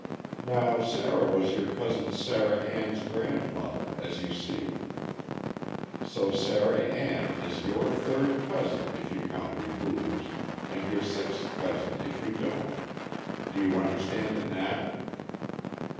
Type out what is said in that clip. Now Sarah was your Cousin Sarah Ann's grandmother, as you see; so Sarah Ann is your third cousin if you count removes, and your sixth cousin if you don't. Do you understand it now?"